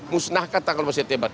musnahkan tanggal lima september